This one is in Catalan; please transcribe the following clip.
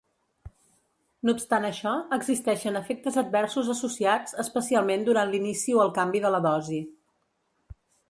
No obstant això, existeixen efectes adversos associats, especialment durant l'inici o el canvi de la dosi.